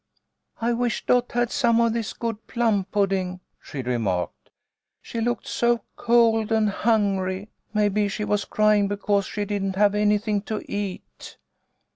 " I wish Dot had some of this good plum pudding," she remarked. " She looked so cold and hungry. Maybe she was crying because she didn't have anything to eat."